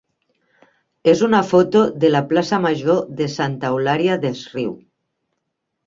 és una foto de la plaça major de Santa Eulària des Riu.